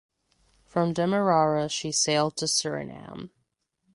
From Demerara she sailed to Surinam.